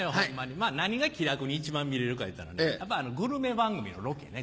まぁ何が気楽に一番見れるかいうたらねやっぱグルメ番組のロケね。